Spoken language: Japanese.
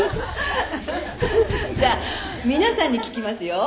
「じゃあ皆さんに聞きますよ」